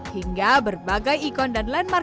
hingga berbagai ikon dan landmark